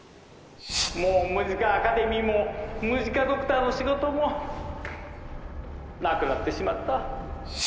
もうムジカ・アカデミーもムジカ・ドクターの仕事もなくなってしまった。